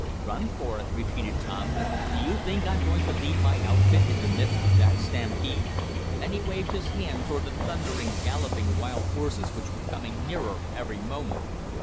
"Run for it?" repeated Tom, "Do you think I'm going to leave my outfit in the midst of that stampede?" and he waved his hand toward the thundering, galloping wild horses which were coming nearer every moment.